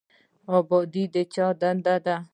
ابادي د چا دنده ده؟